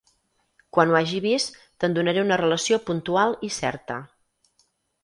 Quan ho hagi vist, te'n donaré una relació puntual i certa.